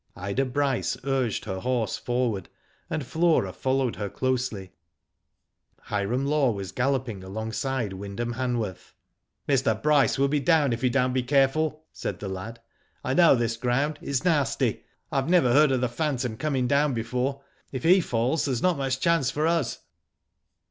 Ida Bryce urged her horse forward, and Flora followed her closely. Hiram Law was galloping alongside Wyndham Hanworth. " Mr. Bryce will be down if he don't be care ful," said the lad. "I know this ground. It's nasty. I never heard of the phantom coming Digitized by Google io8 WHO DID ITf . down before. If he falls there's not much chance for us.'